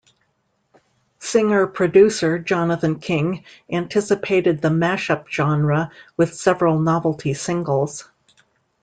Singer-producer Jonathan King anticipated the mashup genre with several novelty singles.